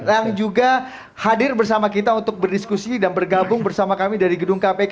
yang juga hadir bersama kita untuk berdiskusi dan bergabung bersama kami dari gedung kpk